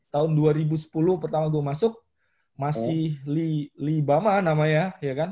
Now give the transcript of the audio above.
tahun dua ribu sepuluh pertama gue masuk masih libama namanya